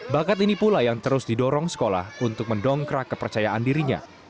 bakat ini pula yang terus didorong sekolah untuk mendongkrak kepercayaan dirinya